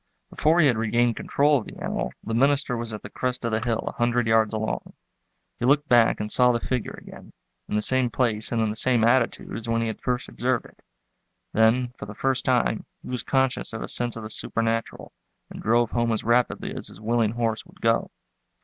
Before he had regained control of the animal the minister was at the crest of the hill a hundred yards along. He looked back and saw the figure again, at the same place and in the same attitude as when he had first observed it. Then for the first time he was conscious of a sense of the supernatural and drove home as rapidly as his willing horse would go.